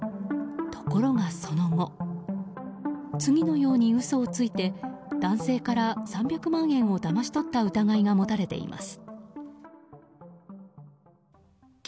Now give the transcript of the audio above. ところが、その後次のように嘘をついて男性から３００万円をだまし取った疑いが持たれています。